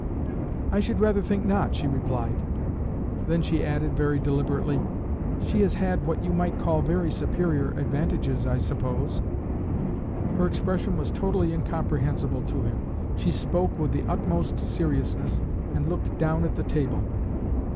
"I should rather think not," she replied. Then she added, very deliberately, "She has had what you might call very superior advantages, I suppose." Her expression was totally incomprehensible to him. She spoke with the utmost seriousness, and looked down at the table.